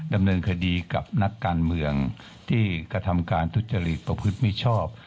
ดำเนินคดีกับนักการเมืองที่กระทำการทุจริตประพฤติมิชชอบ